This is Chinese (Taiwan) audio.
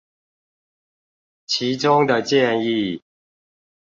其中的建議